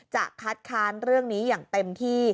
จะคัดค้านเรื่องนี้อย่างเต็มที่